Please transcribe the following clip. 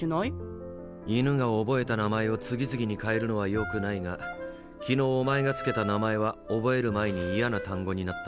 犬が覚えた名前を次々に変えるのはよくないが昨日お前が付けた名前は覚える前に「嫌な単語」になった。